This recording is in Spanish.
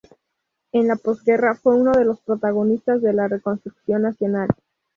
En la posguerra fue uno de los protagonistas de la reconstrucción nacional.